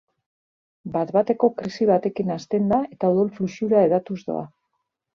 Bat-bateko krisi batekin hasten da eta odol-fluxura hedatuz doa.